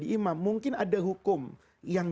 imam mungkin ada hukum yang